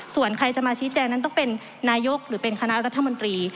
ส่วนใครจะมาชี้แจงนั้นต้องเป็นนายกหรือเป็นคณะรัฐมนตรี